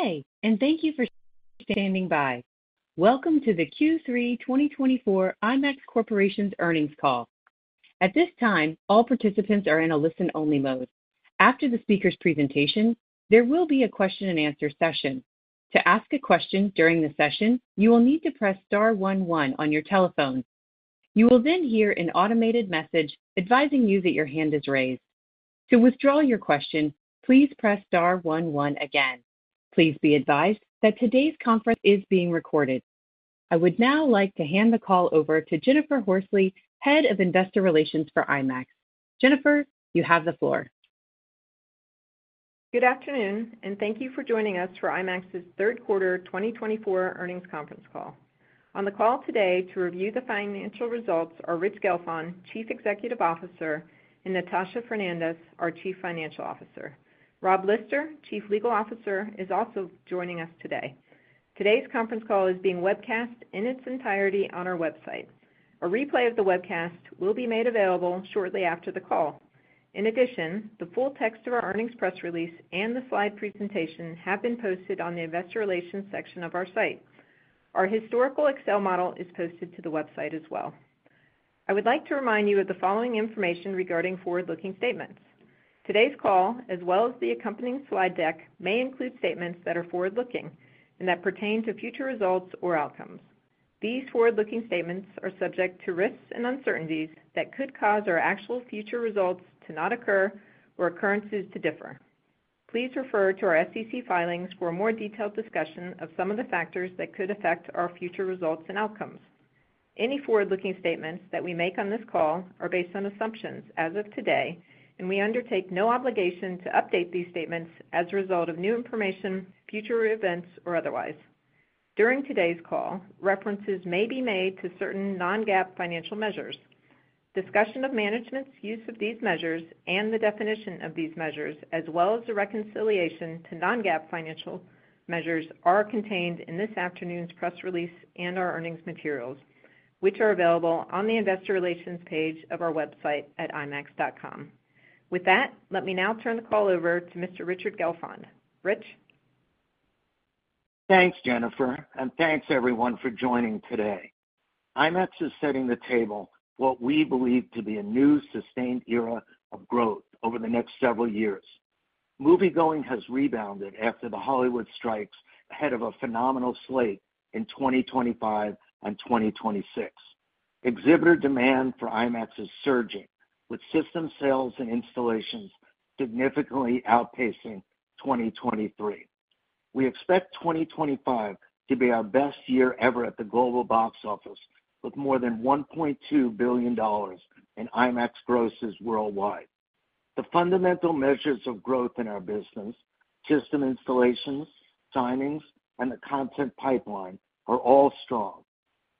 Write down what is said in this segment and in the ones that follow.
Today, and thank you for standing by. Welcome to the Q3 2024 IMAX Corporation's earnings call. At this time, all participants are in a listen-only mode. After the speaker's presentation, there will be a question-and-answer session. To ask a question during the session, you will need to press star 11 on your telephone. You will then hear an automated message advising you that your hand is raised. To withdraw your question, please press star 11 again. Please be advised that today's conference is being recorded. I would now like to hand the call over to Jennifer Horsley, Head of Investor Relations for IMAX. Jennifer, you have the floor. Good afternoon, and thank you for joining us for IMAX's third quarter 2024 earnings conference call. On the call today to review the financial results are Rich Gelfond, Chief Executive Officer, and Natasha Fernandes, our Chief Financial Officer. Rob Lister, Chief Legal Officer, is also joining us today. Today's conference call is being webcast in its entirety on our website. A replay of the webcast will be made available shortly after the call. In addition, the full text of our earnings press release and the slide presentation have been posted on the Investor Relations section of our site. Our historical Excel model is posted to the website as well. I would like to remind you of the following information regarding forward-looking statements. Today's call, as well as the accompanying slide deck, may include statements that are forward-looking and that pertain to future results or outcomes. These forward-looking statements are subject to risks and uncertainties that could cause our actual future results to not occur or occurrences to differ. Please refer to our SEC filings for a more detailed discussion of some of the factors that could affect our future results and outcomes. Any forward-looking statements that we make on this call are based on assumptions as of today, and we undertake no obligation to update these statements as a result of new information, future events, or otherwise. During today's call, references may be made to certain non-GAAP financial measures. Discussion of management's use of these measures and the definition of these measures, as well as the reconciliation to non-GAAP financial measures, are contained in this afternoon's press release and our earnings materials, which are available on the Investor Relations page of our website at IMAX.com. With that, let me now turn the call over to Mr. Richard Gelfond. Rich. Thanks, Jennifer, and thanks everyone for joining today. IMAX is setting the table for what we believe to be a new sustained era of growth over the next several years. Movie going has rebounded after the Hollywood strikes ahead of a phenomenal slate in 2025 and 2026. Exhibitor demand for IMAX is surging, with system sales and installations significantly outpacing 2023. We expect 2025 to be our best year ever at the global box office, with more than $1.2 billion in IMAX grosses worldwide. The fundamental measures of growth in our business, system installations, signings, and the content pipeline are all strong,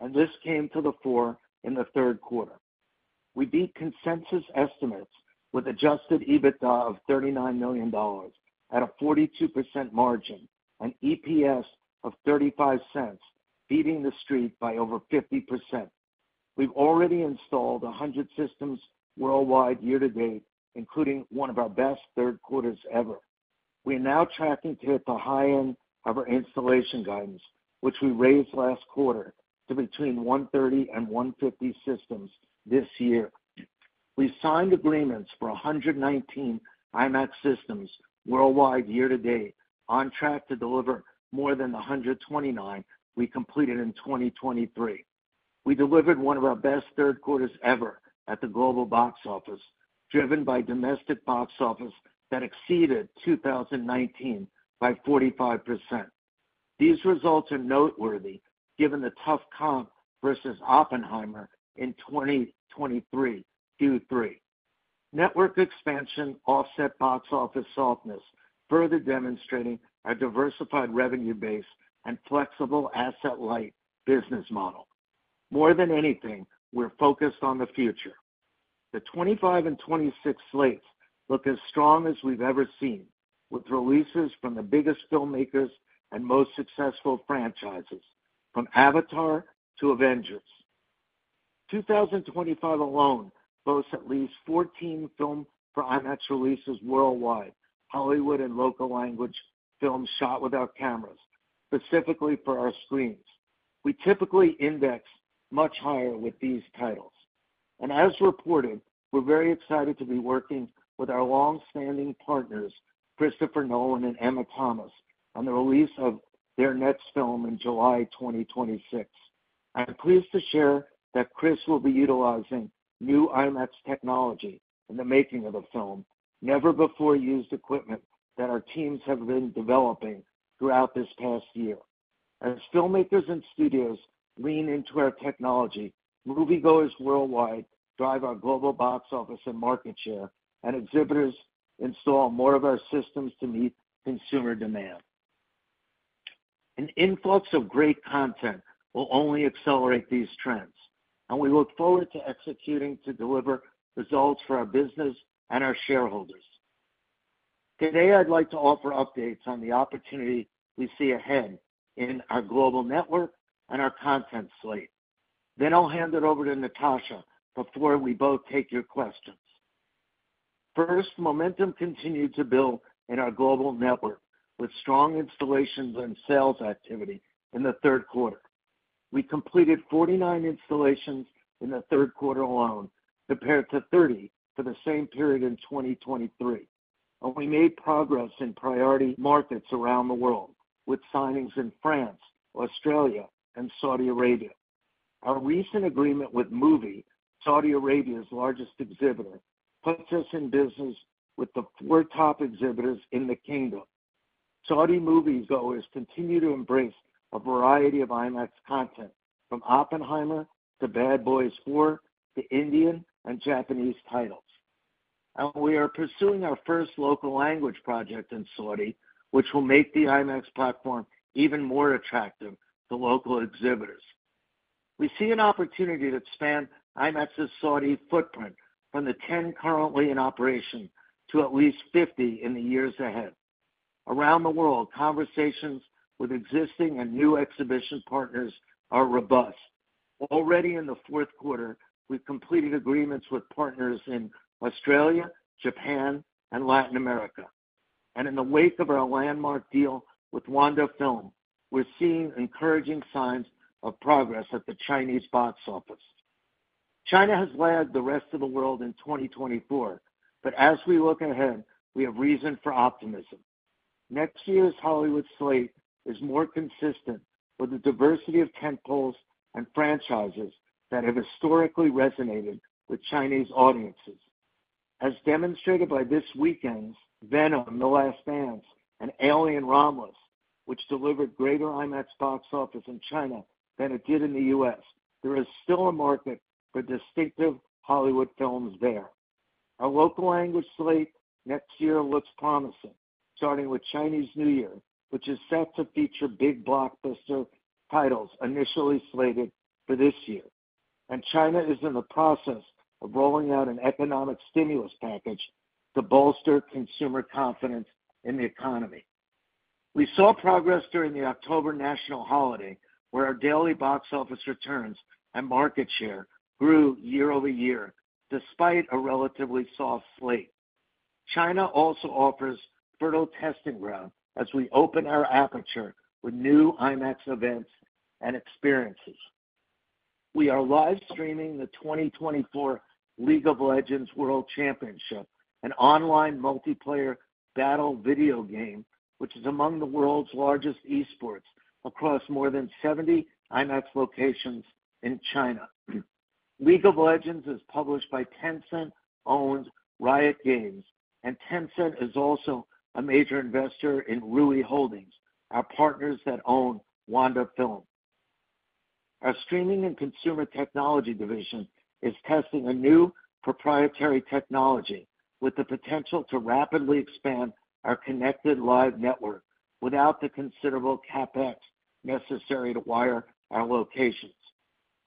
and this came to the fore in the third quarter. We beat consensus estimates with adjusted EBITDA of $39 million at a 42% margin and EPS of $0.35, beating the Street by over 50%. We've already installed 100 systems worldwide year to date, including one of our best third quarters ever. We are now tracking to hit the high end of our installation guidance, which we raised last quarter to between 130 and 150 systems this year. We signed agreements for 119 IMAX systems worldwide year to date, on track to deliver more than the 129 we completed in 2023. We delivered one of our best third quarters ever at the global box office, driven by domestic box office that exceeded 2019 by 45%. These results are noteworthy given the tough comp versus Oppenheimer in 2023 Q3. Network expansion offset box office softness, further demonstrating our diversified revenue base and flexible asset-light business model. More than anything, we're focused on the future. The 2025 and 2026 slates look as strong as we've ever seen, with releases from the biggest filmmakers and most successful franchises, from Avatar to Avengers. 2025 alone boasts at least 14 films for IMAX releases worldwide, Hollywood and local language films shot with IMAX cameras, specifically for our screens. We typically index much higher with these titles. As reported, we're very excited to be working with our longstanding partners, Christopher Nolan and Emma Thomas, on the release of their next film in July 2026. I'm pleased to share that Chris will be utilizing new IMAX technology in the making of a film, never-before-used equipment that our teams have been developing throughout this past year. As filmmakers and studios lean into our technology, moviegoers worldwide drive our global box office and market share, and exhibitors install more of our systems to meet consumer demand. An influx of great content will only accelerate these trends, and we look forward to executing to deliver results for our business and our shareholders. Today, I'd like to offer updates on the opportunity we see ahead in our global network and our content slate. Then I'll hand it over to Natasha before we both take your questions. First, momentum continued to build in our global network with strong installations and sales activity in the third quarter. We completed 49 installations in the third quarter alone, compared to 30 for the same period in 2023, and we made progress in priority markets around the world with signings in France, Australia, and Saudi Arabia. Our recent agreement with Muvi, Saudi Arabia's largest exhibitor, puts us in business with the four top exhibitors in the kingdom. Saudi moviegoers continue to embrace a variety of IMAX content, from Oppenheimer to Bad Boys 4 to Indian and Japanese titles. And we are pursuing our first local language project in Saudi, which will make the IMAX platform even more attractive to local exhibitors. We see an opportunity to expand IMAX's Saudi footprint from the 10 currently in operation to at least 50 in the years ahead. Around the world, conversations with existing and new exhibition partners are robust. Already in the fourth quarter, we've completed agreements with partners in Australia, Japan, and Latin America. And in the wake of our landmark deal with Wanda Film, we're seeing encouraging signs of progress at the Chinese box office. China has lagged the rest of the world in 2024, but as we look ahead, we have reason for optimism. Next year's Hollywood slate is more consistent with the diversity of tentpoles and franchises that have historically resonated with Chinese audiences. As demonstrated by this weekend's Venom: The Last Dance, and Alien: Romulus, which delivered greater IMAX box office in China than it did in the U.S., there is still a market for distinctive Hollywood films there. Our local language slate next year looks promising, starting with Chinese New Year, which is set to feature big blockbuster titles initially slated for this year, and China is in the process of rolling out an economic stimulus package to bolster consumer confidence in the economy. We saw progress during the October national holiday, where our daily box office returns and market share grew year over year, despite a relatively soft slate. China also offers fertile testing ground as we open our aperture with new IMAX events and experiences. We are live streaming the 2024 League of Legends World Championship, an online multiplayer battle video game, which is among the world's largest esports across more than 70 IMAX locations in China. League of Legends is published by Tencent-owned Riot Games, and Tencent is also a major investor in Ruyi Holdings, our partners that own Wanda Film. Our streaming and consumer technology division is testing a new proprietary technology with the potential to rapidly expand our connected live network without the considerable CapEx necessary to wire our locations.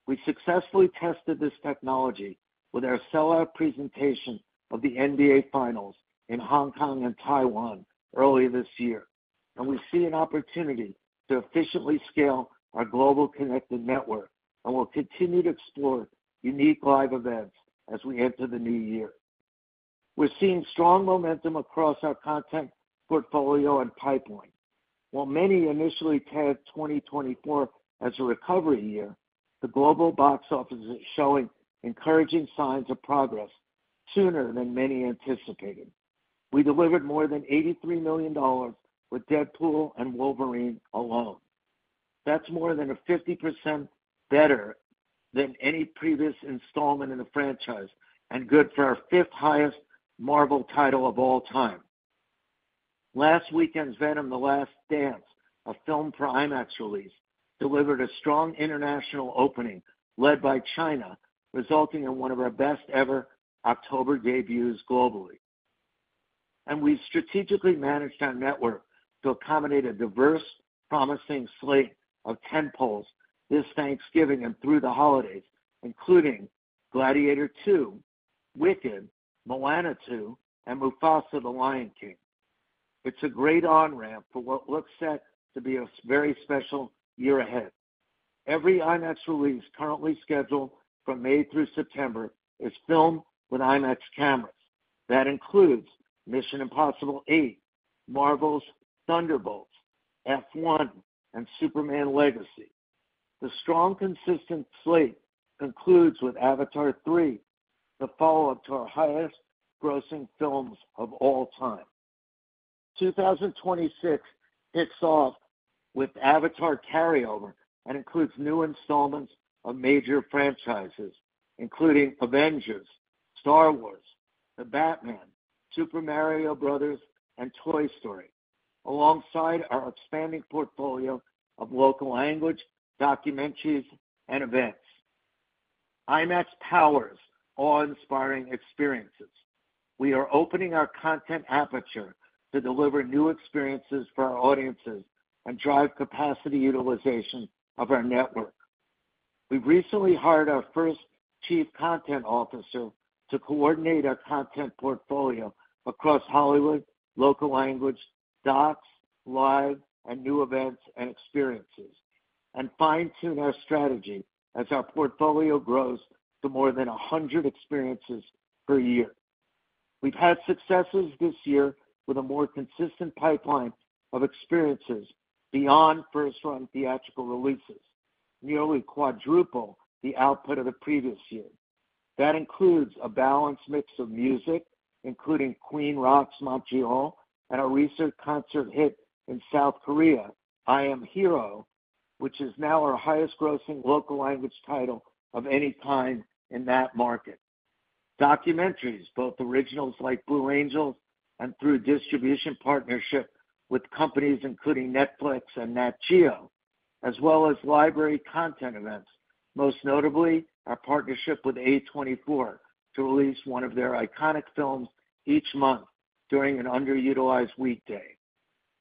We successfully tested this technology with our sellout presentation of the NBA Finals in Hong Kong and Taiwan earlier this year, and we see an opportunity to efficiently scale our global connected network and will continue to explore unique live events as we enter the new year. We're seeing strong momentum across our content portfolio and pipeline. While many initially tagged 2024 as a recovery year, the global box office is showing encouraging signs of progress sooner than many anticipated. We delivered more than $83 million with Deadpool & Wolverine alone. That's more than 50% better than any previous installment in the franchise and good for our fifth highest Marvel title of all time. Last weekend's Venom: The Last Dance, a film for IMAX release, delivered a strong international opening led by China, resulting in one of our best-ever October debuts globally, and we've strategically managed our network to accommodate a diverse, promising slate of tentpoles this Thanksgiving and through the holidays, including Gladiator II, Wicked, Moana 2, and Mufasa: The Lion King. It's a great on-ramp for what looks set to be a very special year ahead. Every IMAX release currently scheduled from May through September is filmed with IMAX cameras. That includes Mission: Impossible 8, Marvel's Thunderbolts, F1, and Superman Legacy. The strong, consistent slate concludes with Avatar 3, the follow-up to our highest-grossing films of all time. 2026 kicks off with Avatar carryover and includes new installments of major franchises, including Avengers, Star Wars, The Batman, Super Mario Bros., and Toy Story, alongside our expanding portfolio of local language, documentaries, and events. IMAX powers awe-inspiring experiences. We are opening our content aperture to deliver new experiences for our audiences and drive capacity utilization of our network. We've recently hired our first Chief Content Officer to coordinate our content portfolio across Hollywood, local language, docs, live, and new events and experiences, and fine-tune our strategy as our portfolio grows to more than 100 experiences per year. We've had successes this year with a more consistent pipeline of experiences beyond first-run theatrical releases, nearly quadrupling the output of the previous year. That includes a balanced mix of music, including Queen Rock Montreal and a recent concert hit in South Korea, I'm Hero, which is now our highest-grossing local language title of any kind in that market. Documentaries, both originals like The Blue Angels and through distribution partnership with companies including Netflix and Nat Geo, as well as library content events, most notably our partnership with A24 to release one of their iconic films each month during an underutilized weekday.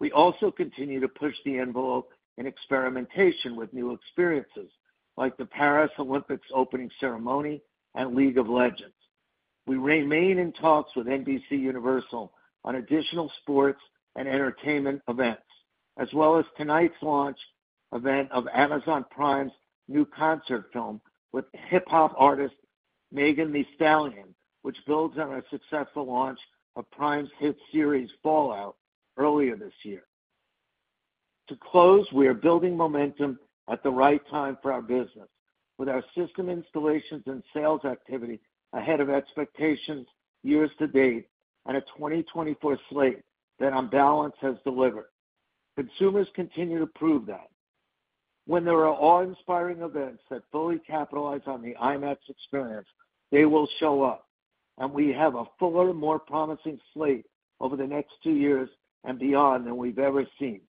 We also continue to push the envelope in experimentation with new experiences like the Paris Olympics opening ceremony and League of Legends. We remain in talks with NBCUniversal on additional sports and entertainment events, as well as tonight's launch event of Amazon Prime's new concert film with hip-hop artist Megan Thee Stallion, which builds on our successful launch of Prime's hit series Fallout earlier this year. To close, we are building momentum at the right time for our business, with our system installations and sales activity ahead of expectations year to date and a 2024 slate that on balance has delivered. Consumers continue to prove that. When there are awe-inspiring events that fully capitalize on the IMAX experience, they will show up, and we have a fuller, more promising slate over the next two years and beyond than we've ever seen.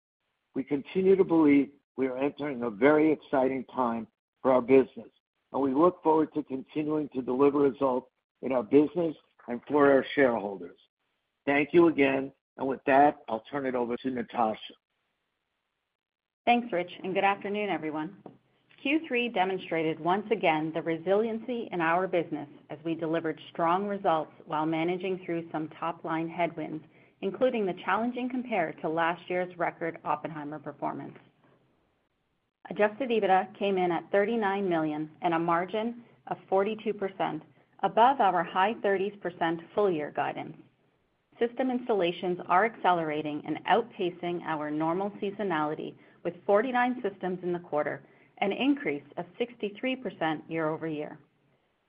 We continue to believe we are entering a very exciting time for our business, and we look forward to continuing to deliver results in our business and for our shareholders. Thank you again, and with that, I'll turn it over to Natasha. Thanks, Rich, and good afternoon, everyone. Q3 demonstrated once again the resiliency in our business as we delivered strong results while managing through some top-line headwinds, including the challenging compare to last year's record Oppenheimer performance. Adjusted EBITDA came in at $39 million and a margin of 42% above our high 30% full-year guidance. System installations are accelerating and outpacing our normal seasonality with 49 systems in the quarter, an increase of 63% year over year.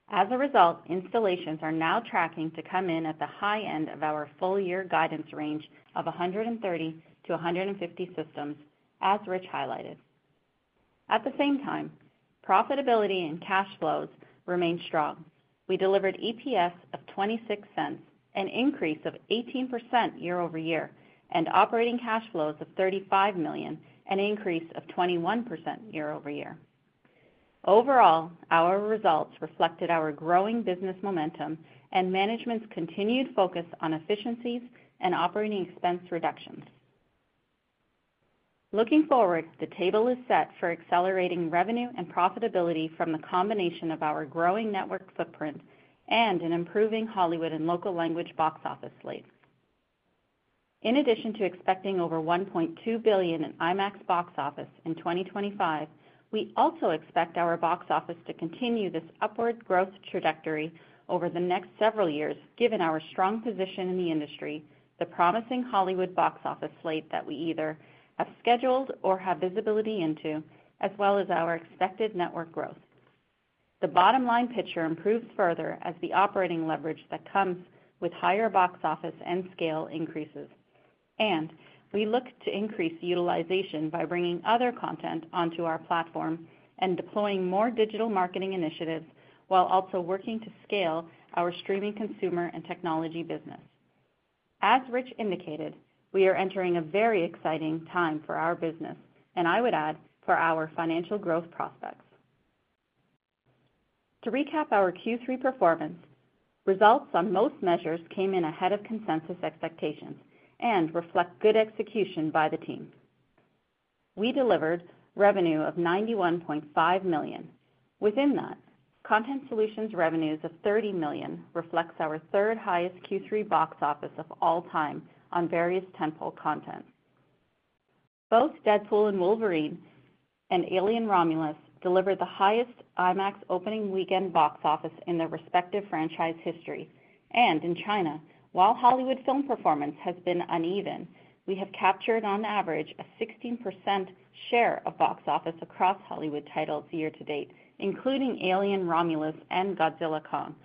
As a result, installations are now tracking to come in at the high end of our full-year guidance range of 130-150 systems, as Rich highlighted. At the same time, profitability and cash flows remain strong. We delivered EPS of $0.26, an increase of 18% year over year, and operating cash flows of $35 million, an increase of 21% year over year. Overall, our results reflected our growing business momentum and management's continued focus on efficiencies and operating expense reductions. Looking forward, the table is set for accelerating revenue and profitability from the combination of our growing network footprint and an improving Hollywood and local language box office slate. In addition to expecting over $1.2 billion in IMAX box office in 2025, we also expect our box office to continue this upward growth trajectory over the next several years, given our strong position in the industry, the promising Hollywood box office slate that we either have scheduled or have visibility into, as well as our expected network growth. The bottom-line picture improves further as the operating leverage that comes with higher box office and scale increases. And we look to increase utilization by bringing other content onto our platform and deploying more digital marketing initiatives while also working to scale our streaming consumer and technology business. As Rich indicated, we are entering a very exciting time for our business, and I would add, for our financial growth prospects. To recap our Q3 performance, results on most measures came in ahead of consensus expectations and reflect good execution by the team. We delivered revenue of $91.5 million. Within that, content solutions revenues of $30 million reflects our third-highest Q3 box office of all time on various tentpole content. Both Deadpool and Wolverine and Alien: Romulus delivered the highest IMAX opening weekend box office in their respective franchise history. In China, while Hollywood film performance has been uneven, we have captured, on average, a 16% share of box office across Hollywood titles year to date, including Alien: Romulus and Godzilla x Kong,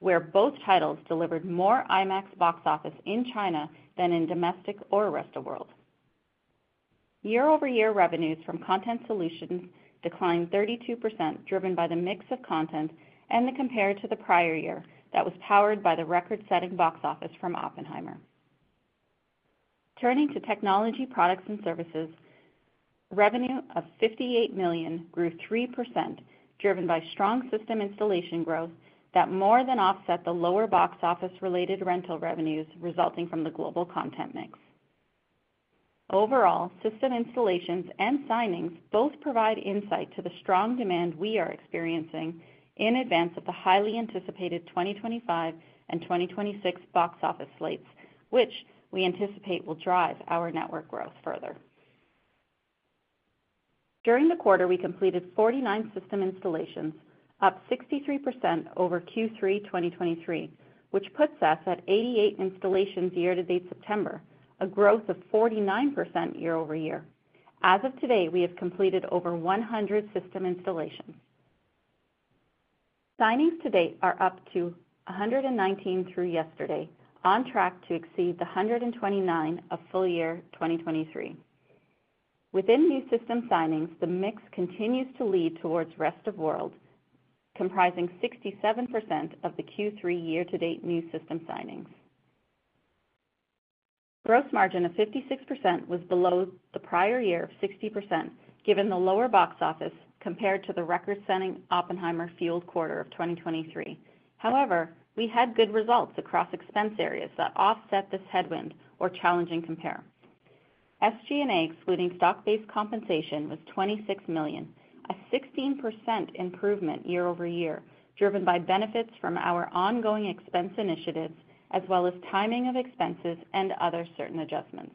where both titles delivered more IMAX box office in China than in domestic or rest of the world. Year-over-year revenues from content solutions declined 32%, driven by the mix of content and the comparison to the prior year that was powered by the record-setting box office from Oppenheimer. Turning to technology, products, and services, revenue of $58 million grew 3%, driven by strong system installation growth that more than offset the lower box office-related rental revenues resulting from the global content mix. Overall, system installations and signings both provide insight to the strong demand we are experiencing in advance of the highly anticipated 2025 and 2026 box office slates, which we anticipate will drive our network growth further. During the quarter, we completed 49 system installations, up 63% over Q3 2023, which puts us at 88 installations year to date September, a growth of 49% year over year. As of today, we have completed over 100 system installations. Signings to date are up to 119 through yesterday, on track to exceed the 129 of full-year 2023. Within new system signings, the mix continues to lead towards rest of world, comprising 67% of the Q3 year-to-date new system signings. Gross margin of 56% was below the prior year of 60%, given the lower box office compared to the record-setting Oppenheimer-filled quarter of 2023. However, we had good results across expense areas that offset this headwind or challenging compare. SG&A, excluding stock-based compensation, was $26 million, a 16% improvement year over year, driven by benefits from our ongoing expense initiatives, as well as timing of expenses and other certain adjustments.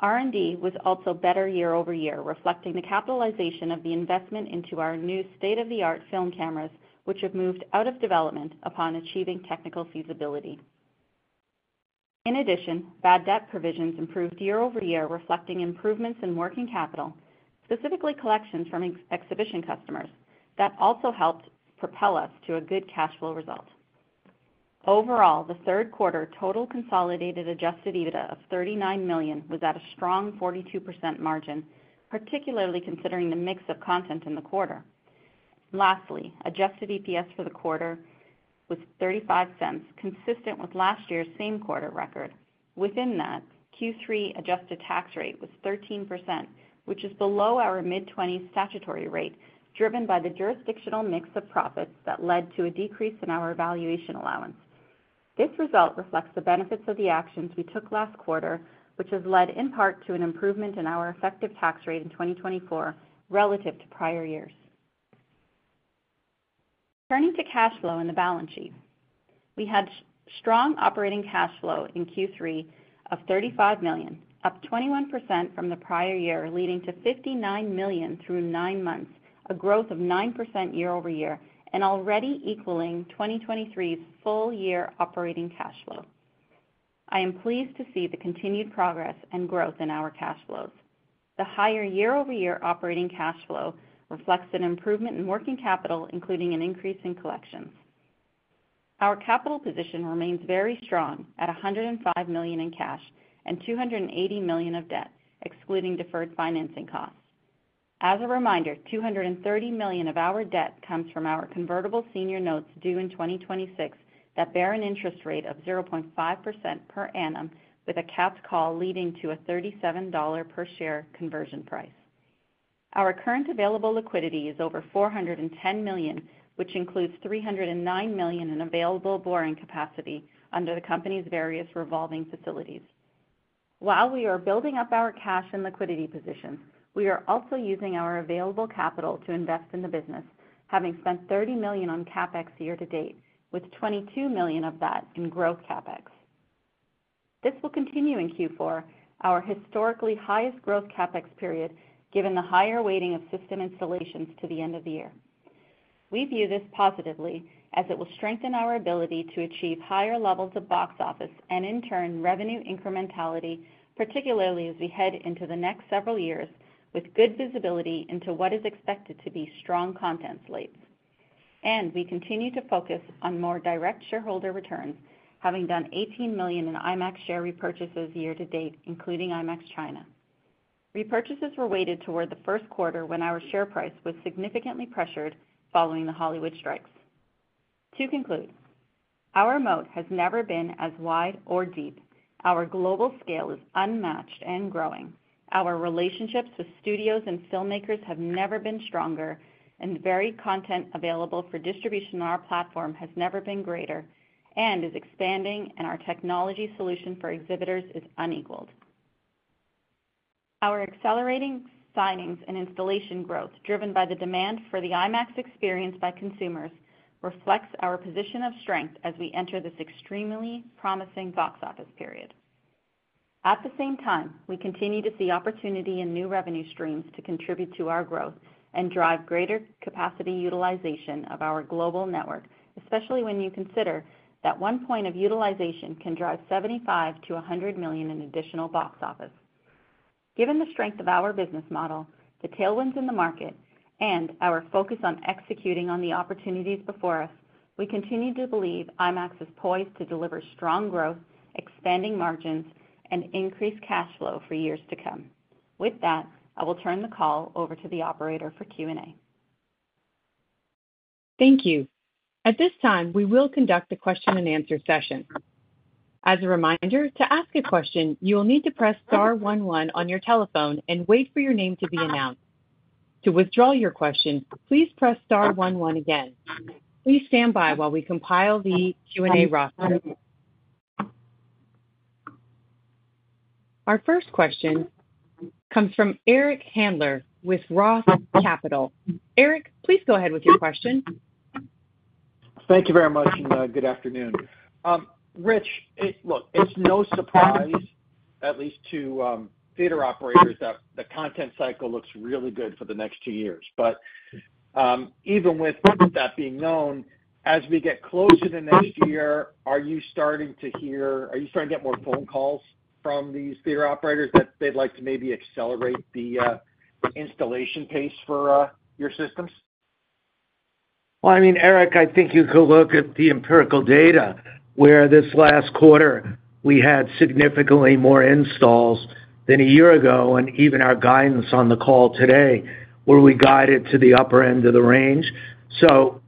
R&D was also better year over year, reflecting the capitalization of the investment into our new state-of-the-art film cameras, which have moved out of development upon achieving technical feasibility. In addition, bad debt provisions improved year over year, reflecting improvements in working capital, specifically collections from exhibition customers, that also helped propel us to a good cash flow result. Overall, the third quarter total consolidated adjusted EBITDA of $39 million was at a strong 42% margin, particularly considering the mix of content in the quarter. Lastly, adjusted EPS for the quarter was $0.35, consistent with last year's same quarter record. Within that, Q3 adjusted tax rate was 13%, which is below our mid-20s statutory rate, driven by the jurisdictional mix of profits that led to a decrease in our valuation allowance. This result reflects the benefits of the actions we took last quarter, which has led in part to an improvement in our effective tax rate in 2024 relative to prior years. Turning to cash flow in the balance sheet, we had strong operating cash flow in Q3 of $35 million, up 21% from the prior year, leading to $59 million through nine months, a growth of 9% year over year, and already equaling 2023's full-year operating cash flow. I am pleased to see the continued progress and growth in our cash flows. The higher year-over-year operating cash flow reflects an improvement in working capital, including an increase in collections. Our capital position remains very strong at $105 million in cash and $280 million of debt, excluding deferred financing costs. As a reminder, $230 million of our debt comes from our convertible senior notes due in 2026 at a bearing interest rate of 0.5% per annum, with a capped call leading to a $37 per share conversion price. Our current available liquidity is over $410 million, which includes $309 million in available borrowing capacity under the company's various revolving facilities. While we are building up our cash and liquidity positions, we are also using our available capital to invest in the business, having spent $30 million on CapEx year to date, with $22 million of that in growth CapEx. This will continue in Q4, our historically highest growth CapEx period, given the higher weighting of system installations to the end of the year. We view this positively as it will strengthen our ability to achieve higher levels of box office and, in turn, revenue incrementality, particularly as we head into the next several years with good visibility into what is expected to be strong content slates. And we continue to focus on more direct shareholder returns, having done $18 million in IMAX share repurchases year to date, including IMAX China. Repurchases were weighted toward the first quarter when our share price was significantly pressured following the Hollywood strikes. To conclude, our moat has never been as wide or deep. Our global scale is unmatched and growing. Our relationships with studios and filmmakers have never been stronger, and the varied content available for distribution on our platform has never been greater and is expanding, and our technology solution for exhibitors is unequaled. Our accelerating signings and installation growth, driven by the demand for the IMAX experience by consumers, reflects our position of strength as we enter this extremely promising box office period. At the same time, we continue to see opportunity in new revenue streams to contribute to our growth and drive greater capacity utilization of our global network, especially when you consider that one point of utilization can drive $75 million-$100 million in additional box office. Given the strength of our business model, the tailwinds in the market, and our focus on executing on the opportunities before us, we continue to believe IMAX is poised to deliver strong growth, expanding margins, and increased cash flow for years to come. With that, I will turn the call over to the operator for Q&A. Thank you. At this time, we will conduct a question-and-answer session. As a reminder, to ask a question, you will need to press star 11 on your telephone and wait for your name to be announced. To withdraw your question, please press star 11 again. Please stand by while we compile the Q&A roster. Our first question comes from Eric Handler with Roth MKM. Eric, please go ahead with your question. Thank you very much and good afternoon. Rich, look, it's no surprise, at least to theater operators, that the content cycle looks really good for the next two years. But even with that being known, as we get closer to next year, are you starting to hear, are you starting to get more phone calls from these theater operators that they'd like to maybe accelerate the installation pace for your systems? I mean, Eric, I think you could look at the empirical data where this last quarter we had significantly more installs than a year ago, and even our guidance on the call today where we guided to the upper end of the range. So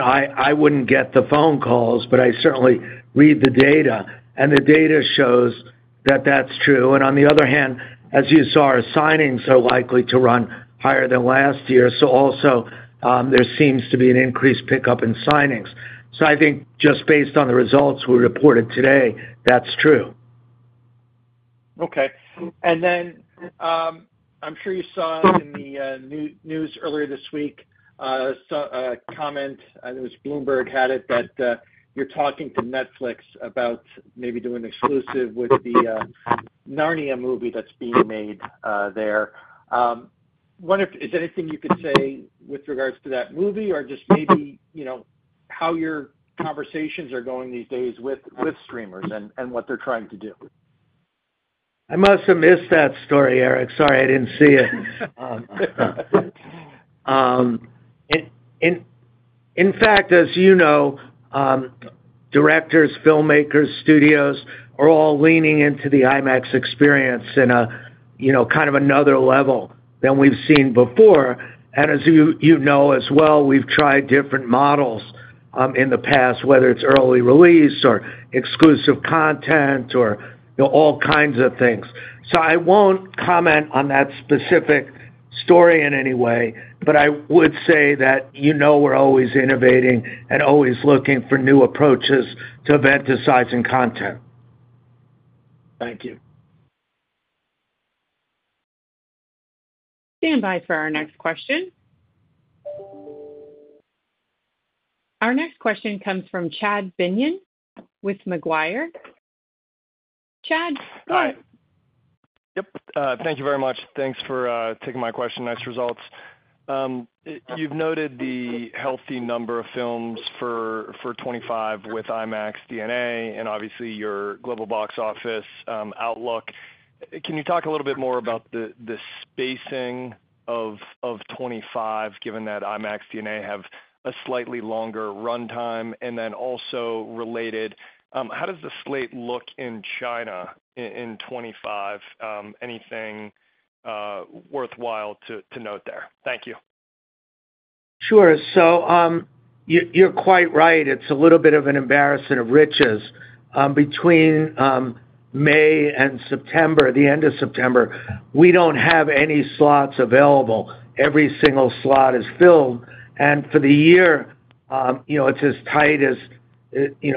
I wouldn't get the phone calls, but I certainly read the data, and the data shows that that's true. And on the other hand, as you saw, our signings are likely to run higher than last year. So also, there seems to be an increased pickup in signings. So I think just based on the results we reported today, that's true. Okay. And then I'm sure you saw in the news earlier this week a comment, and it was Bloomberg had it, that you're talking to Netflix about maybe doing an exclusive with the Narnia movie that's being made there. Is there anything you could say with regards to that movie or just maybe how your conversations are going these days with streamers and what they're trying to do? I must have missed that story, Eric. Sorry, I didn't see it. In fact, as you know, directors, filmmakers, studios are all leaning into the IMAX experience in kind of another level than we've seen before. And as you know as well, we've tried different models in the past, whether it's early release or exclusive content or all kinds of things. So I won't comment on that specific story in any way, but I would say that we're always innovating and always looking for new approaches to eventizing content. Thank you. Stand by for our next question. Our next question comes from Chad Beynon with Macquarie. Chad. Hi. Yep. Thank you very much. Thanks for taking my question. Nice results. You've noted the healthy number of films for '25 with IMAX DNA and obviously your global box office outlook. Can you talk a little bit more about the spacing of '25, given that IMAX DNA have a slightly longer runtime? And then also related, how does the slate look in China in '25? Anything worthwhile to note there? Thank you. Sure. So you're quite right. It's a little bit of an embarrassment of riches. Between May and September, the end of September, we don't have any slots available. Every single slot is filled. And for the year, it's as tight as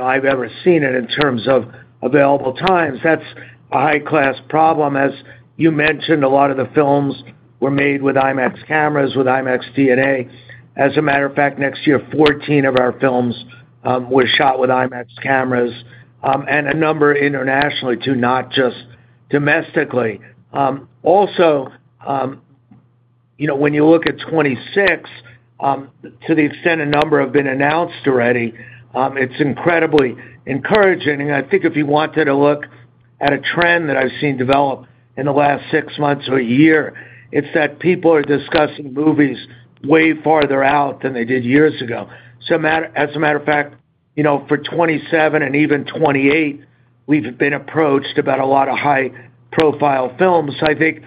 I've ever seen it in terms of available times. That's a high-class problem. As you mentioned, a lot of the films were made with IMAX cameras, with IMAX DNA. As a matter of fact, next year, 14 of our films were shot with IMAX cameras and a number internationally too, not just domestically. Also, when you look at 2026, to the extent a number have been announced already, it's incredibly encouraging, and I think if you wanted to look at a trend that I've seen develop in the last six months or a year, it's that people are discussing movies way farther out than they did years ago. As a matter of fact, for 2027 and even 2028, we've been approached about a lot of high-profile films. I think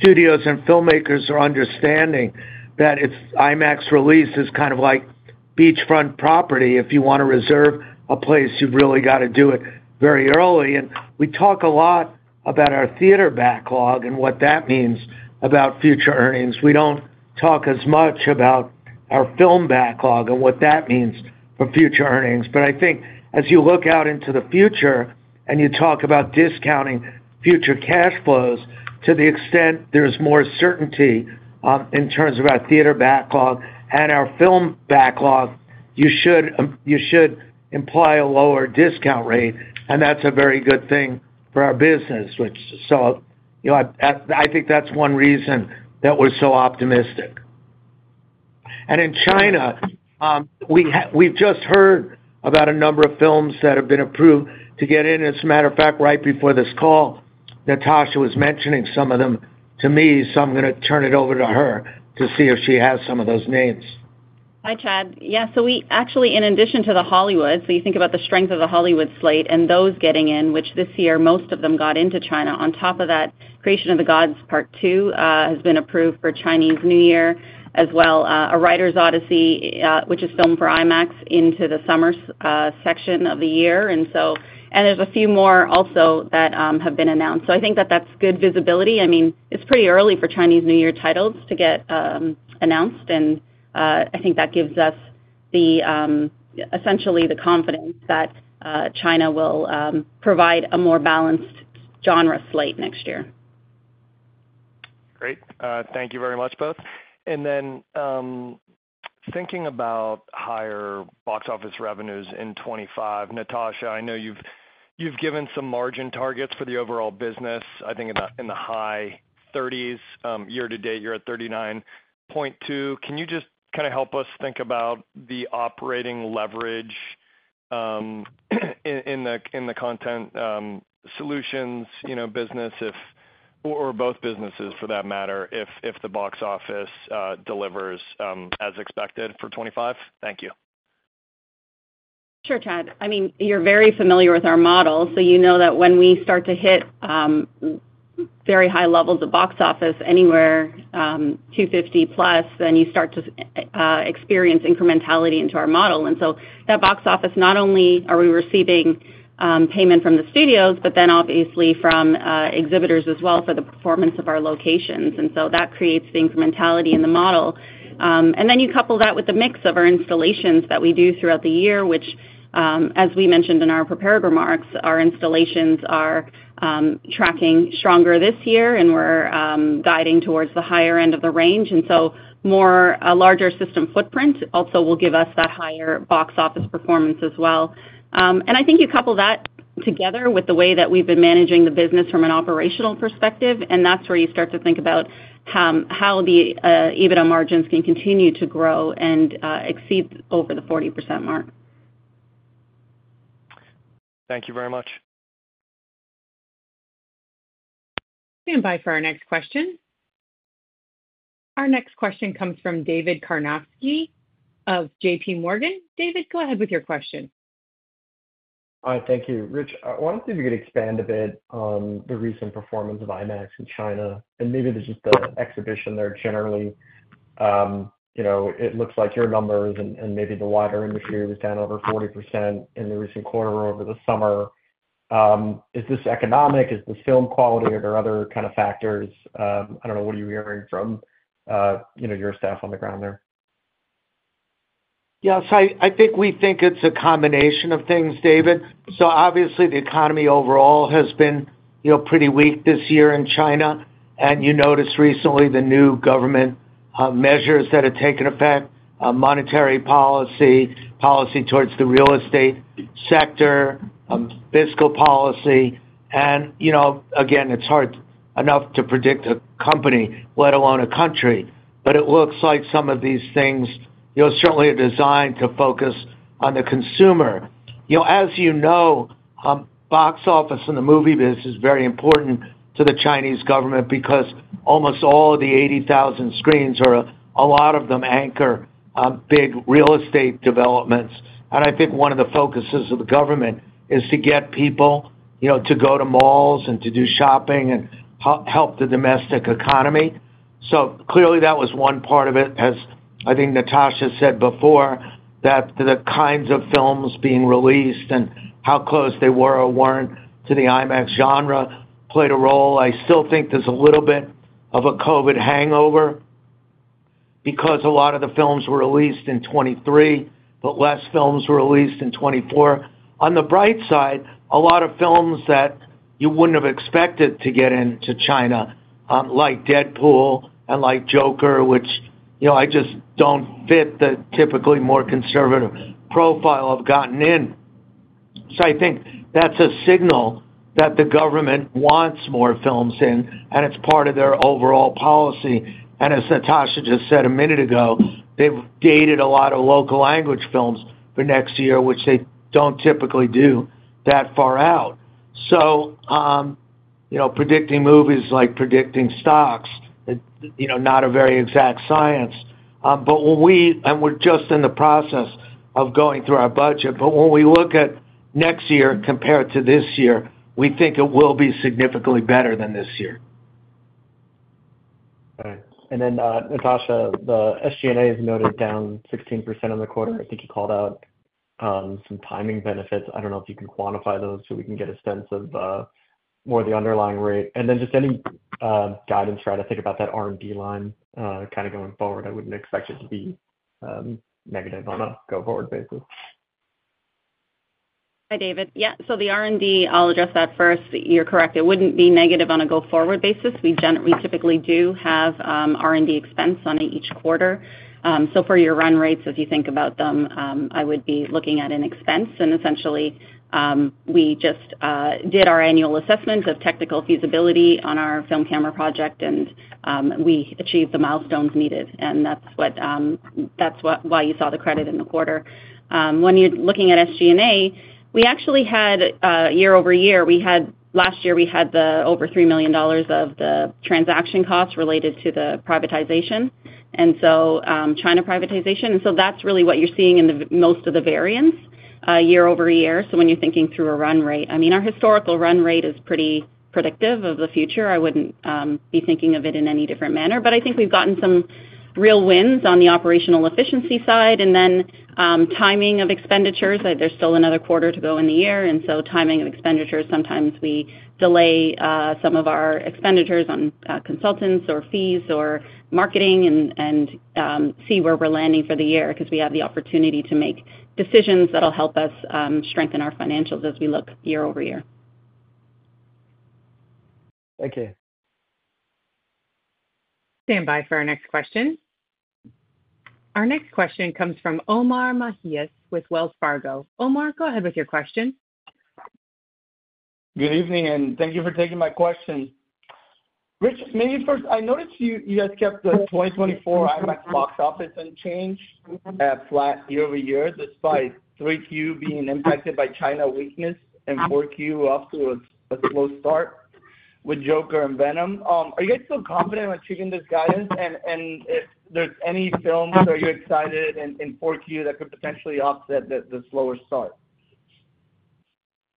studios and filmmakers are understanding that IMAX release is kind of like beachfront property. If you want to reserve a place, you've really got to do it very early, and we talk a lot about our theater backlog and what that means about future earnings. We don't talk as much about our film backlog and what that means for future earnings. But I think as you look out into the future and you talk about discounting future cash flows, to the extent there's more certainty in terms of our theater backlog and our film backlog, you should imply a lower discount rate. And that's a very good thing for our business. So I think that's one reason that we're so optimistic. And in China, we've just heard about a number of films that have been approved to get in. As a matter of fact, right before this call, Natasha was mentioning some of them to me, so I'm going to turn it over to her to see if she has some of those names. Hi, Chad. Yeah. Actually, in addition to the Hollywood, so you think about the strength of the Hollywood slate and those getting in, which this year most of them got into China. On top of that, Creation of the Gods, Part 2, has been approved for Chinese New Year as well. A Writer's Odyssey, which is filmed for IMAX into the summer section of the year. And there's a few more also that have been announced. So I think that that's good visibility. I mean, it's pretty early for Chinese New Year titles to get announced, and I think that gives us essentially the confidence that China will provide a more balanced genre slate next year. Great. Thank you very much, both. And then thinking about higher box office revenues in 2025, Natasha, I know you've given some margin targets for the overall business. I think in the high 30s%. Year to date, you're at 39.2. Can you just kind of help us think about the operating leverage in the content solutions business or both businesses, for that matter, if the box office delivers as expected for 2025? Thank you. Sure, Chad. I mean, you're very familiar with our model, so you know that when we start to hit very high levels of box office anywhere 250 plus, then you start to experience incrementality into our model. And so that box office, not only are we receiving payment from the studios, but then obviously from exhibitors as well for the performance of our locations. And so that creates the incrementality in the model. And then you couple that with the mix of our installations that we do throughout the year, which, as we mentioned in our prepared remarks, our installations are tracking stronger this year, and we're guiding towards the higher end of the range. And so a larger system footprint also will give us that higher box office performance as well. And I think you couple that together with the way that we've been managing the business from an operational perspective, and that's where you start to think about how the EBITDA margins can continue to grow and exceed over the 40% mark. Thank you very much. Stand by for our next question. Our next question comes from David Karnovsky of JPMorgan. David, go ahead with your question. Hi. Thank you. Rich, I wanted to maybe expand a bit on the recent performance of IMAX in China, and maybe just the exhibition there generally. It looks like your numbers and maybe the wider industry was down over 40% in the recent quarter or over the summer. Is this economic? Is this film quality? Are there other kind of factors? I don't know. What are you hearing from your staff on the ground there? Yeah. So I think it's a combination of things, David. So obviously, the economy overall has been pretty weak this year in China. And you noticed recently the new government measures that have taken effect: monetary policy, policy towards the real estate sector, fiscal policy. And again, it's hard enough to predict a company, let alone a country, but it looks like some of these things certainly are designed to focus on the consumer. As you know, Box Office in the movie business is very important to the Chinese government because almost all of the 80,000 screens, a lot of them anchor big real estate developments. And I think one of the focuses of the government is to get people to go to malls and to do shopping and help the domestic economy. So clearly, that was one part of it. As I think Natasha said before, that the kinds of films being released and how close they were or weren't to the IMAX genre played a role. I still think there's a little bit of a COVID hangover because a lot of the films were released in 2023, but less films were released in 2024. On the bright side, a lot of films that you wouldn't have expected to get into China, like Deadpool and like Joker, which just don't fit the typically more conservative profile have gotten in. So I think that's a signal that the government wants more films in, and it's part of their overall policy. And as Natasha just said a minute ago, they've dated a lot of local language films for next year, which they don't typically do that far out. So predicting movies like predicting stocks, not a very exact science. And we're just in the process of going through our budget. But when we look at next year compared to this year, we think it will be significantly better than this year. Okay. And then, Natasha, the SG&A is noted down 16% on the quarter. I think you called out some timing benefits. I don't know if you can quantify those so we can get a sense of more of the underlying rate, and then just any guidance, right? I think about that R&D line kind of going forward. I wouldn't expect it to be negative on a go-forward basis. Hi, David. Yeah. So the R&D, I'll address that first. You're correct. It wouldn't be negative on a go-forward basis. We typically do have R&D expense on each quarter. So for your run rates, if you think about them, I would be looking at an expense. And essentially, we just did our annual assessment of technical feasibility on our film camera project, and we achieved the milestones needed. And that's why you saw the credit in the quarter. When you're looking at SG&A, we actually had year over year. Last year, we had over $3 million of the transaction costs related to the privatization, and so China privatization. That's really what you're seeing in most of the variance year over year. When you're thinking through a run rate, I mean, our historical run rate is pretty predictive of the future. I wouldn't be thinking of it in any different manner. But I think we've gotten some real wins on the operational efficiency side. Then timing of expenditures, there's still another quarter to go in the year. Timing of expenditures, sometimes we delay some of our expenditures on consultants or fees or marketing and see where we're landing for the year because we have the opportunity to make decisions that'll help us strengthen our financials as we look year over year. Thank you. Stand by for our next question. Our next question comes from Omar Mejias with Wells Fargo. Omar, go ahead with your question. Good evening, and thank you for taking my question. Rich, maybe first, I noticed you guys kept the 2024 IMAX box office unchanged at flat year over year, despite 3Q being impacted by China weakness and 4Q off to a slow start with Joker and Venom. Are you guys still confident in achieving this guidance? And if there's any films, are you excited in 4Q that could potentially offset the slower start?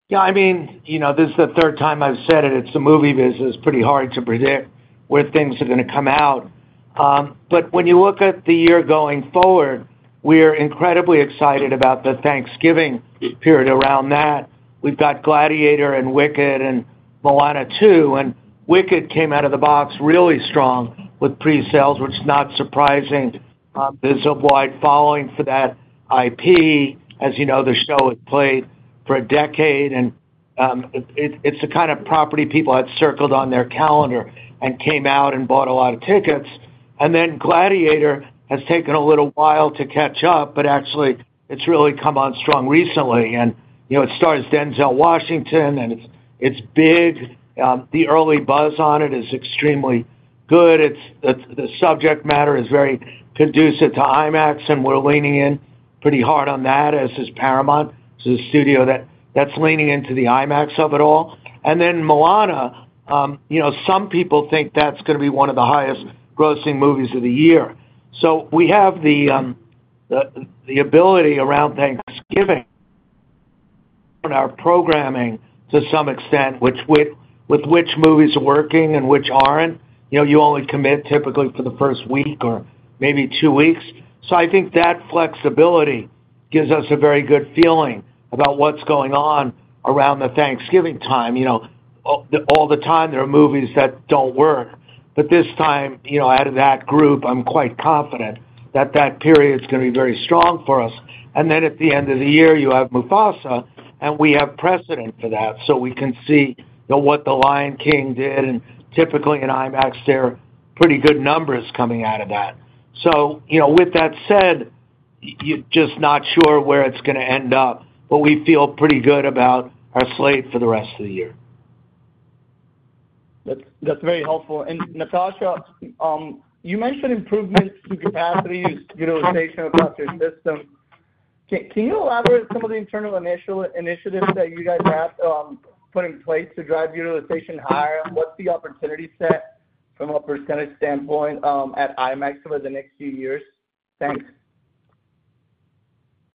Yeah. I mean, this is the third time I've said it. It's the movie business. It's pretty hard to predict where things are going to come out. But when you look at the year going forward, we are incredibly excited about the Thanksgiving period around that. We've got Gladiator and Wicked and Moana 2. Wicked came out of the box really strong with pre-sales, which is not surprising. There's a wide following for that IP. As you know, the show has played for a decade. It's the kind of property people had circled on their calendar and came out and bought a lot of tickets. Gladiator has taken a little while to catch up, but actually, it's really come on strong recently. It stars Denzel Washington, and it's big. The early buzz on it is extremely good. The subject matter is very conducive to IMAX, and we're leaning in pretty hard on that, as is Paramount. The studio that's leaning into the IMAX of it all. Moana, some people think that's going to be one of the highest-grossing movies of the year. So we have the ability around Thanksgiving in our programming to some extent, with which movies are working and which aren't. You only commit typically for the first week or maybe two weeks. So I think that flexibility gives us a very good feeling about what's going on around the Thanksgiving time. All the time, there are movies that don't work. But this time, out of that group, I'm quite confident that that period is going to be very strong for us. And then at the end of the year, you have Mufasa, and we have precedent for that. So we can see what The Lion King did. And typically, in IMAX, there are pretty good numbers coming out of that. So with that said, you're just not sure where it's going to end up, but we feel pretty good about our slate for the rest of the year. That's very helpful. And Natasha, you mentioned improvements to capacity utilization across your system. Can you elaborate on some of the internal initiatives that you guys have put in place to drive utilization higher? What's the opportunity set from a percentage standpoint at IMAX over the next few years? Thanks.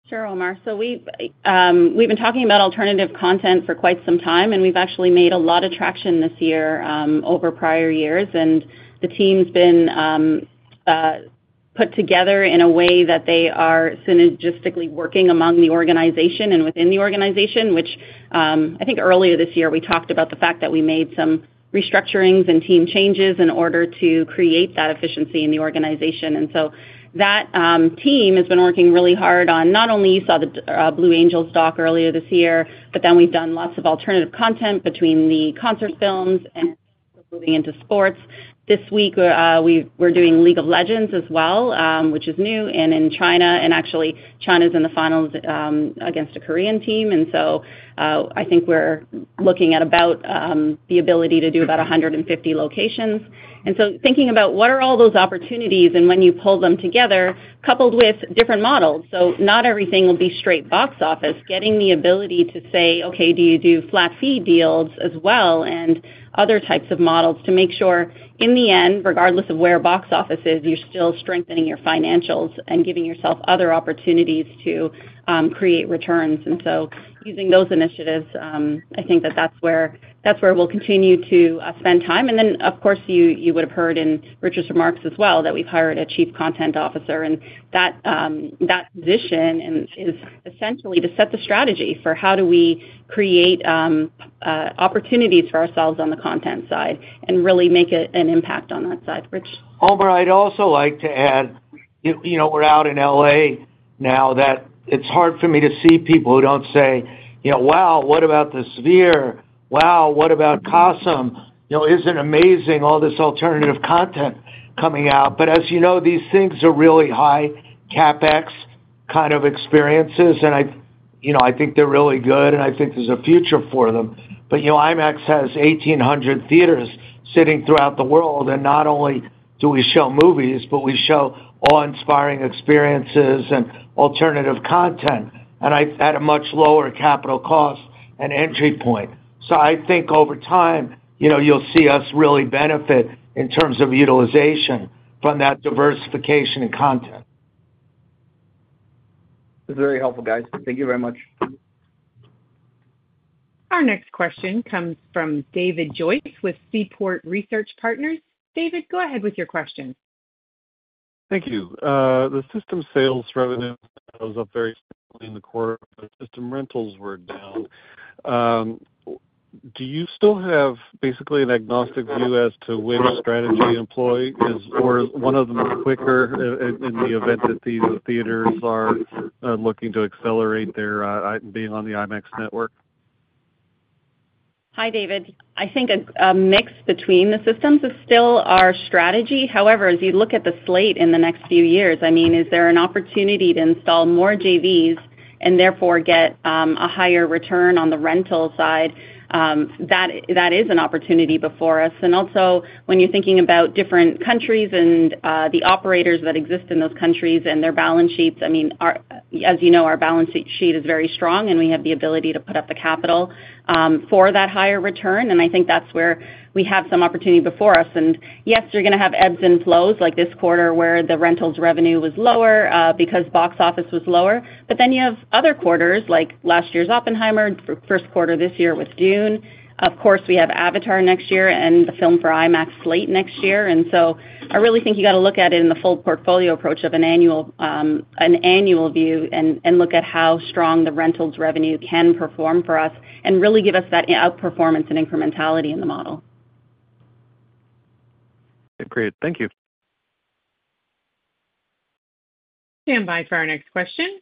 Sure, Omar. So we've been talking about alternative content for quite some time, and we've actually made a lot of traction this year over prior years. And the team's been put together in a way that they are synergistically working among the organization and within the organization, which I think earlier this year, we talked about the fact that we made some restructurings and team changes in order to create that efficiency in the organization. And so that team has been working really hard on not only you saw The Blue Angels doc earlier this year, but then we've done lots of alternative content between the concert films and moving into sports. This week, we're doing League of Legends as well, which is new in China. And actually, China's in the finals against a Korean team. And so I think we're looking at about the ability to do about 150 locations. And so thinking about what are all those opportunities and when you pull them together, coupled with different models. So not everything will be straight box office, getting the ability to say, "Okay, do you do flat fee deals as well?" and other types of models to make sure in the end, regardless of where box office is, you're still strengthening your financials and giving yourself other opportunities to create returns. Using those initiatives, I think that that's where we'll continue to spend time. Then, of course, you would have heard in Richard's remarks as well that we've hired a chief content officer. And that position is essentially to set the strategy for how do we create opportunities for ourselves on the content side and really make an impact on that side. Rich? Omar, I'd also like to add we're out in LA now that it's hard for me to see people who don't say, "Wow, what about the Sphere? Wow, what about Cosm? Isn't it amazing all this alternative content coming out?" But as you know, these things are really high CapEx kind of experiences, and I think they're really good, and I think there's a future for them. But IMAX has 1,800 theaters sitting throughout the world. And not only do we show movies, but we show awe-inspiring experiences and alternative content at a much lower capital cost and entry point. So I think over time, you'll see us really benefit in terms of utilization from that diversification in content. That's very helpful, guys. Thank you very much. Our next question comes from David Joyce with Seaport Research Partners. David, go ahead with your question. Thank you. The system sales revenue was up very significantly in the quarter, but system rentals were down. Do you still have basically an agnostic view as to which strategy to employ? Or is one of them quicker in the event that the theaters are looking to accelerate their being on the IMAX network? Hi, David. I think a mix between the systems is still our strategy. However, as you look at the slate in the next few years, I mean, is there an opportunity to install more JVs and therefore get a higher return on the rental side? That is an opportunity before us. And also, when you're thinking about different countries and the operators that exist in those countries and their balance sheets, I mean, as you know, our balance sheet is very strong, and we have the ability to put up the capital for that higher return. And I think that's where we have some opportunity before us. And yes, you're going to have ebbs and flows like this quarter where the rentals revenue was lower because box office was lower. But then you have other quarters like last year's Oppenheimer, first quarter this year with Dune. Of course, we have Avatar next year and the Filmed for IMAX slate next year. And so I really think you got to look at it in the full portfolio approach of an annual view and look at how strong the rentals revenue can perform for us and really give us that outperformance and incrementality in the model. Okay. Great. Thank you. Stand by for our next question.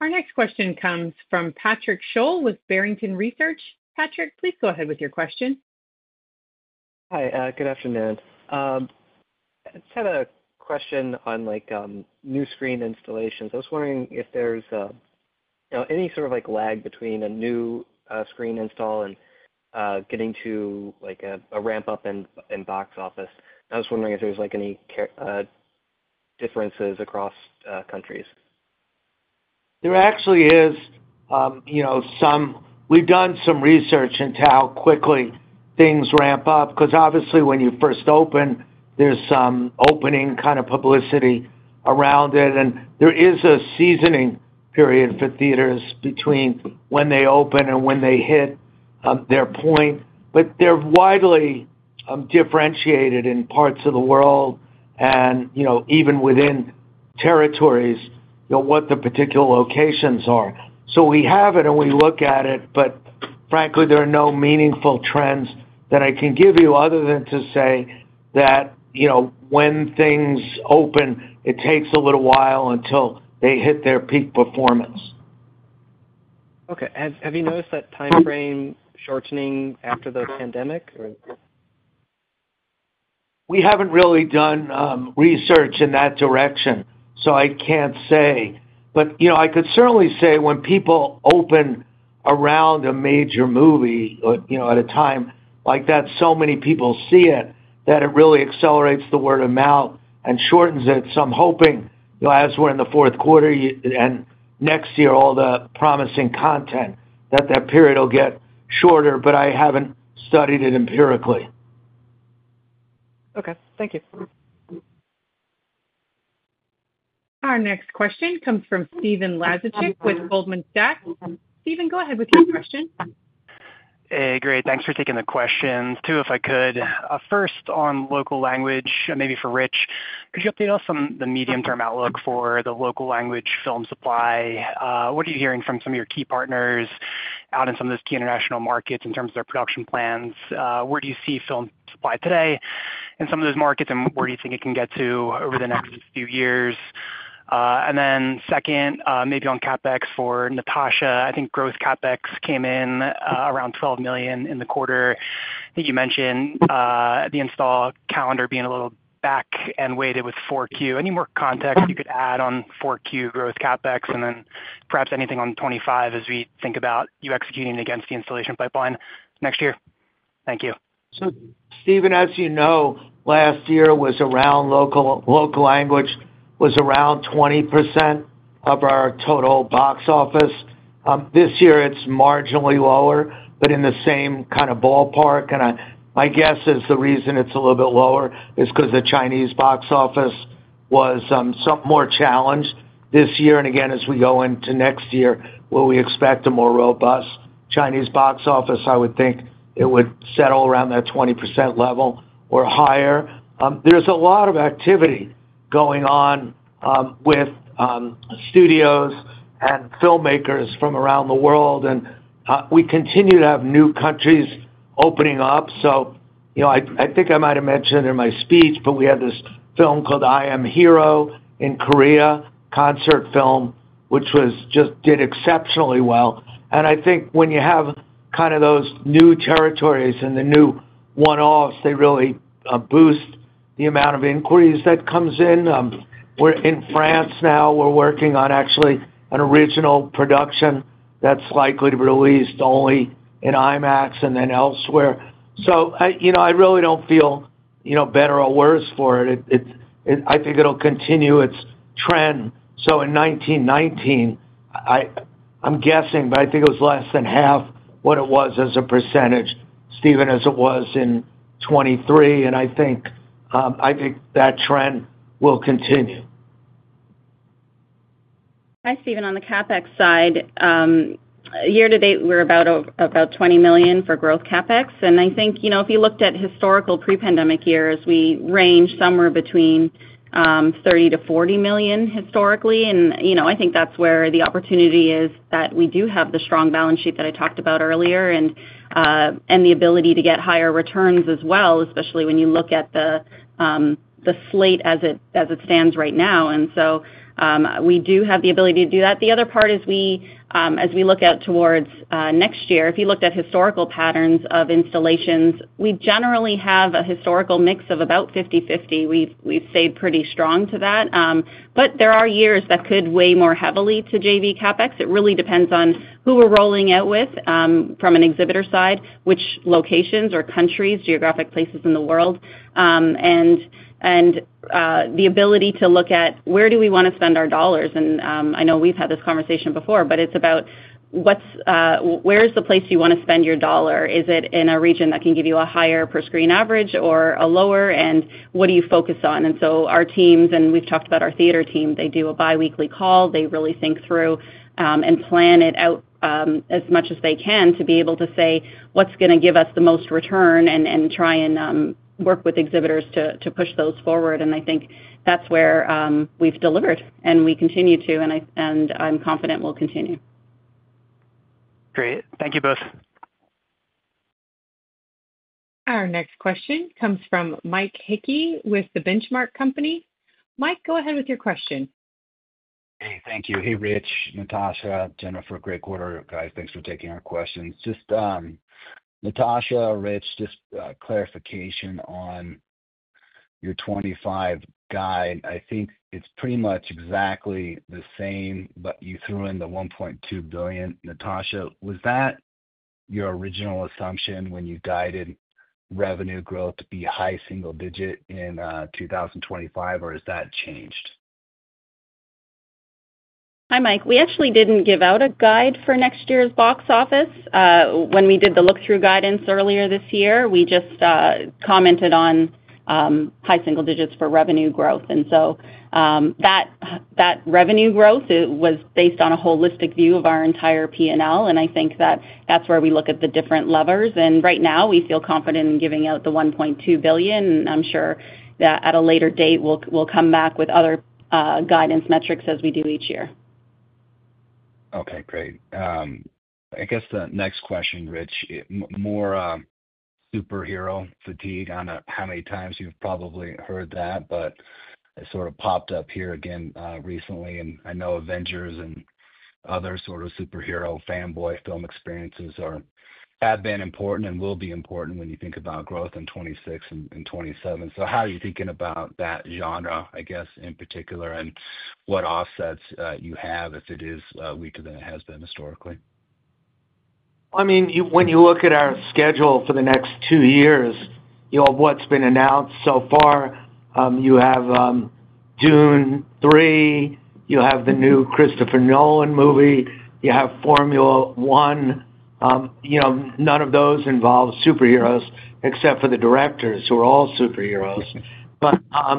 Our next question comes from Patrick Sholl with Barrington Research. Patrick, please go ahead with your question. Hi. Good afternoon. I just had a question on new screen installations. I was wondering if there's any sort of lag between a new screen install and getting to a ramp-up in box office? I was wondering if there's any differences across countries? There actually is some. We've done some research into how quickly things ramp up because obviously, when you first open, there's some opening kind of publicity around it. There is a seasoning period for theaters between when they open and when they hit their point. They're widely differentiated in parts of the world and even within territories what the particular locations are. We have it, and we look at it. Frankly, there are no meaningful trends that I can give you other than to say that when things open, it takes a little while until they hit their peak performance. Okay. Have you noticed that time frame shortening after the pandemic? We haven't really done research in that direction, so I can't say. I could certainly say when people open around a major movie at a time like that, so many people see it that it really accelerates the word of mouth and shortens it. So, I'm hoping as we're in the fourth quarter and next year, all the promising content, that that period will get shorter. But I haven't studied it empirically. Okay. Thank you. Our next question comes from Stephen Laszczyk with Goldman Sachs. Stephen, go ahead with your question. Hey. Great. Thanks for taking the questions. Two if I could. First, on local language, maybe for Rich, could you update us on the medium-term outlook for the local language film supply? What are you hearing from some of your key partners out in some of those key international markets in terms of their production plans? Where do you see film supply today in some of those markets, and where do you think it can get to over the next few years? And then second, maybe on CapEx for Natasha, I think gross CapEx came in around $12 million in the quarter. I think you mentioned the install calendar being a little back-loaded with 4Q. Any more context you could add on 4Q gross CapEx and then perhaps anything on 2025 as we think about you executing against the installation pipeline next year? Thank you. So, Stephen, as you know, last year, local language was around 20% of our total box office. This year, it's marginally lower, but in the same kind of ballpark. And my guess is the reason it's a little bit lower is because the Chinese box office was somewhat more challenged this year. And again, as we go into next year, where we expect a more robust Chinese box office, I would think it would settle around that 20% level or higher. There's a lot of activity going on with studios and filmmakers from around the world. We continue to have new countries opening up. So I think I might have mentioned in my speech, but we had this film called I'm Hero in Korea, concert film, which just did exceptionally well. And I think when you have kind of those new territories and the new one-offs, they really boost the amount of inquiries that comes in. We're in France now. We're working on actually an original production that's likely to be released only in IMAX and then elsewhere. So I really don't feel better or worse for it. I think it'll continue its trend. So in 2019, I'm guessing, but I think it was less than half what it was as a percentage, Stephen, as it was in 2023. And I think that trend will continue. Hi, Stephen. On the CapEx side, year to date, we're about $20 million for gross CapEx. And I think if you looked at historical pre-pandemic years, we ranged somewhere between $30-$40 million historically. And I think that's where the opportunity is that we do have the strong balance sheet that I talked about earlier and the ability to get higher returns as well, especially when you look at the slate as it stands right now. And so we do have the ability to do that. The other part is as we look out towards next year, if you looked at historical patterns of installations, we generally have a historical mix of about 50/50. We've stayed pretty strong to that. But there are years that could weigh more heavily to JV CapEx. It really depends on who we're rolling out with from an exhibitor side, which locations or countries, geographic places in the world, and the ability to look at where do we want to spend our dollars. And I know we've had this conversation before, but it's about where's the place you want to spend your dollar? Is it in a region that can give you a higher per-screen average or a lower? And what do you focus on? And so our teams, and we've talked about our theater team, they do a biweekly call. They really think through and plan it out as much as they can to be able to say, "What's going to give us the most return?" and try and work with exhibitors to push those forward. And I think that's where we've delivered, and we continue to, and I'm confident we'll continue. Great. Thank you both. Our next question comes from Mike Hickey with The Benchmark Company. Mike, go ahead with your question. Hey. Thank you. Hey, Rich, Natasha, Jennifer, great quarter, guys. Thanks for taking our questions. Just Natasha, Rich, just clarification on your 2025 guide. I think it's pretty much exactly the same, but you threw in the $1.2 billion. Natasha, was that your original assumption when you guided revenue growth to be high single-digit in 2025, or has that changed? Hi, Mike. We actually didn't give out a guide for next year's box office. When we did the look-through guidance earlier this year, we just commented on high single digits for revenue growth. And so that revenue growth was based on a holistic view of our entire P&L. And I think that that's where we look at the different levers. And right now, we feel confident in giving out the $1.2 billion. I'm sure that at a later date, we'll come back with other guidance metrics as we do each year. Okay. Great. I guess the next question, Rich, more superhero fatigue. I don't know how many times you've probably heard that, but it sort of popped up here again recently. I know Avengers and other sort of superhero fanboy film experiences have been important and will be important when you think about growth in 2026 and 2027. So how are you thinking about that genre, I guess, in particular, and what offsets you have if it is weaker than it has been historically? I mean, when you look at our schedule for the next two years, what's been announced so far, you have Dune 3, you have the new Christopher Nolan movie, you have Formula 1. None of those involve superheroes except for the directors who are all superheroes. But I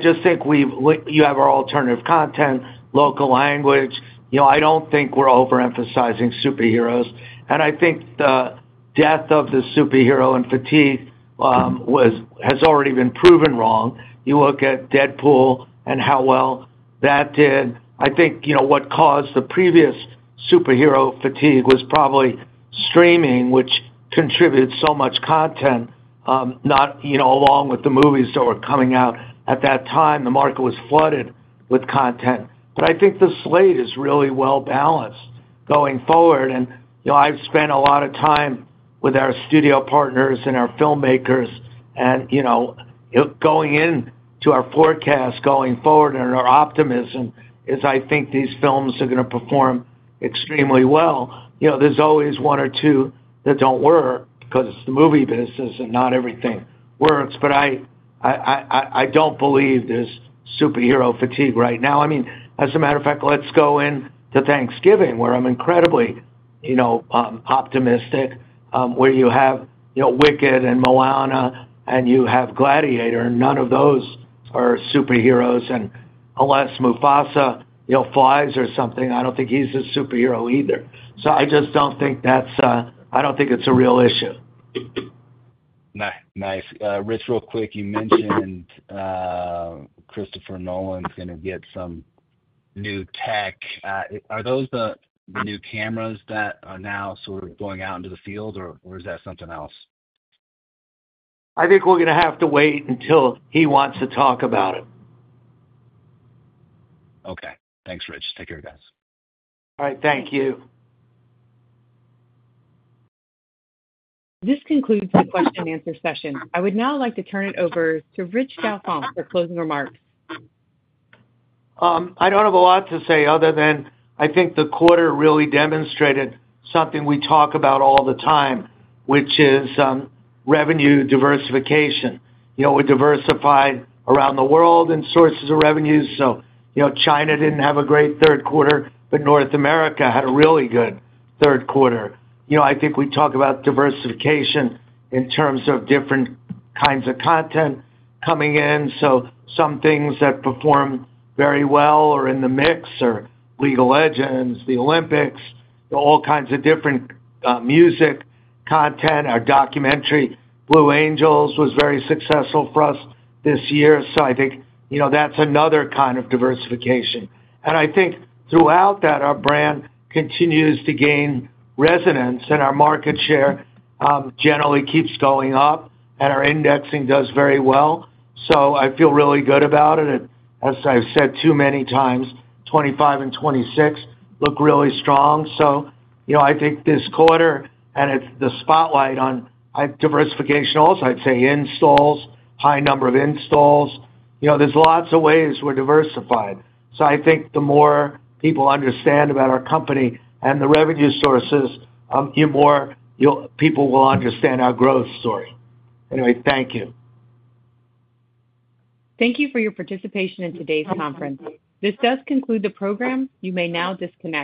just think you have our alternative content, local language. I don't think we're overemphasizing superheroes. And I think the death of the superhero and fatigue has already been proven wrong. You look at Deadpool and how well that did. I think what caused the previous superhero fatigue was probably streaming, which contributed so much content along with the movies that were coming out at that time. The market was flooded with content. But I think the slate is really well-balanced going forward. And I've spent a lot of time with our studio partners and our filmmakers. And going into our forecast going forward and our optimism is I think these films are going to perform extremely well. There's always one or two that don't work because it's the movie business and not everything works. But I don't believe there's superhero fatigue right now. I mean, as a matter of fact, let's go into Thanksgiving where I'm incredibly optimistic, where you have Wicked and Moana and you have Gladiator. None of those are superheroes. And unless Mufasa flies or something, I don't think he's a superhero either. So I just don't think that's. I don't think it's a real issue. Nice. Rich, real quick, you mentioned Christopher Nolan's going to get some new tech. Are those the new cameras that are now sort of going out into the field, or is that something else? I think we're going to have to wait until he wants to talk about it. Okay. Thanks, Rich. Take care, guys. All right. Thank you. This concludes the question-and-answer session. I would now like to turn it over to Rich Gelfond for closing remarks. I don't have a lot to say other than I think the quarter really demonstrated something we talk about all the time, which is revenue diversification. We diversified around the world in sources of revenues, so China didn't have a great third quarter, but North America had a really good third quarter. I think we talk about diversification in terms of different kinds of content coming in, so some things that perform very well are in the mix, or League of Legends, the Olympics, all kinds of different music content. Our documentary, Blue Angels, was very successful for us this year, so I think that's another kind of diversification, and I think throughout that, our brand continues to gain resonance, and our market share generally keeps going up, and our indexing does very well, so I feel really good about it. As I've said too many times, 2025 and 2026 look really strong. So I think this quarter and the spotlight on diversification also, I'd say installs, high number of installs. There's lots of ways we're diversified. So I think the more people understand about our company and the revenue sources, the more people will understand our growth story. Anyway, thank you. Thank you for your participation in today's conference. This does conclude the program. You may now disconnect.